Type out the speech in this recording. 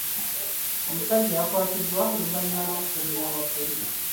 Omusajja yakwatiddwa oluvannyuma lw'okutomera owa poliisi.